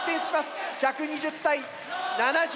１２０対７０。